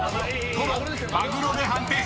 ［トロマグロで判定します］